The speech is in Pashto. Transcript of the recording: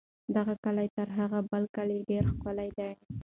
دغه کلی تر هغه بل کلي ډېر ښکلی دی.